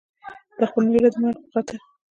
د خپل مېړه د مرګ په خاطر.